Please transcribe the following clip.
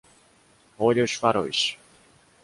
Olha os faróis!